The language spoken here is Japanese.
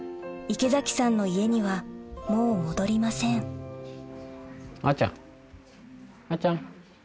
池崎さんの家にはもう戻りませんあーちゃんあーちゃん。